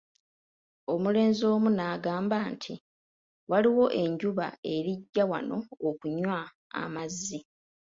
Omulenzi omu n'agamba nti, waliwo ejjuba erijja wano okunywa amazzi.